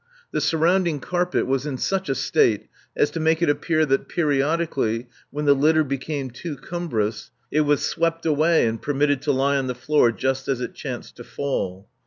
The surrounding carpet was in such a state as to make it appear that periodically, when the litter became too cumbrous, it was swept away and permitted to lie on the floor just as it chanced to fall.